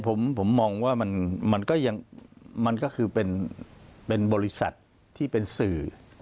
ผมมองว่ามันก็คือเป็นบริษัทที่เป็นสื่อ